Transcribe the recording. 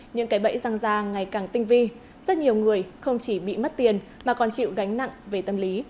những cái bẫy răng ra ngày càng tinh vi rất nhiều người không chỉ bị mất tiền mà còn chịu gánh nặng về tâm lý